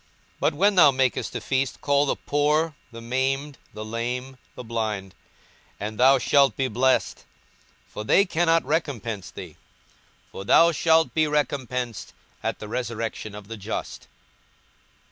42:014:013 But when thou makest a feast, call the poor, the maimed, the lame, the blind: 42:014:014 And thou shalt be blessed; for they cannot recompense thee: for thou shalt be recompensed at the resurrection of the just.